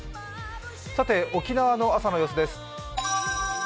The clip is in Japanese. さて沖縄の朝の様子です。